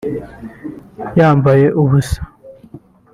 yambaye ubusa